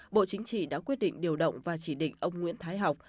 bộ chính trị đã quyết định điều động và chỉ định ông nguyễn thái học